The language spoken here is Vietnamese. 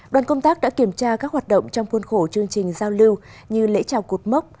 đoàn công tác đã kiểm tra các hoạt động trong khuôn khổ chương trình giao lưu như lễ trào cột mốc